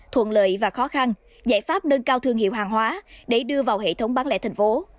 thuận lợi và khó khăn giải pháp nâng cao thương hiệu hàng hóa để đưa vào hệ thống bán lẻ thành phố